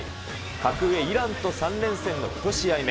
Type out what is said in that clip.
格上、イランと３連戦の１試合目。